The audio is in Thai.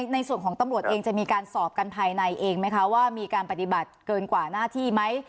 ในส่วนของตำรวจเองจะมีการสอบกันภายในเองไหมคะว่ามีการปฏิบัติเกินกว่าหน้าที่ไหม